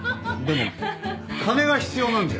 でも金が必要なんじゃ？